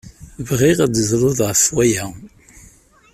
Bɣiɣ ad tedluḍ ɣef waya.